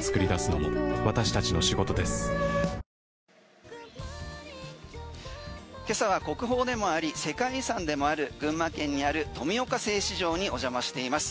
ペイトク今朝は国宝でもあり世界遺産でもある群馬県にある富岡製糸場にお邪魔しています。